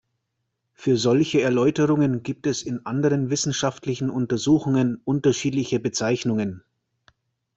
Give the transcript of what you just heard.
Für solche Erläuterungen gibt es in anderen wissenschaftlichen Untersuchungen unterschiedliche Bezeichnungen.